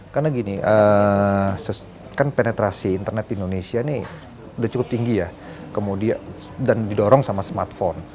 karena gini kan penetrasi internet di indonesia ini udah cukup tinggi ya kemudian dan didorong sama smartphone